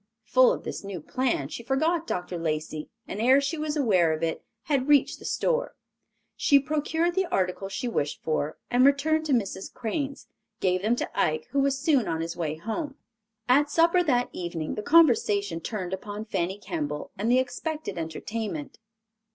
Full of this new plan, she forgot Dr. Lacey and ere she was aware of it had reached the store. She procured the articles she wished for, and returning to Mrs. Crane's, gave them to Ike, who was soon on his way home. At supper that evening the conversation turned upon Fanny Kemble and the expected entertainment.